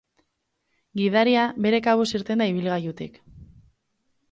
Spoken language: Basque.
Gidaria bere kabuz irten da ibilgailutik.